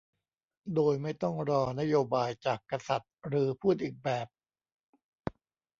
โดยไม่ต้องรอนโยบายจากกษัตริย์ หรือพูดอีกแบบ